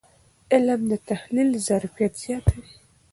علم د تحلیل ظرفیت زیاتوي.